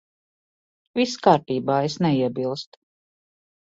Viss kārtībā. Es neiebilstu.